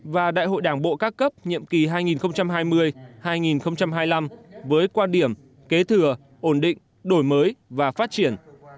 và đại hội đảng bộ các cấp nhiệm kỳ hai nghìn hai mươi hai nghìn hai mươi năm với quan điểm kế thừa ổn định đổi mới và phát triển